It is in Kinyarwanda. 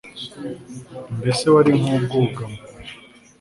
mbese wari nk'ubwugamo